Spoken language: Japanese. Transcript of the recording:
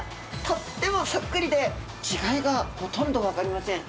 とってもそっくりで違いがほとんど分かりません。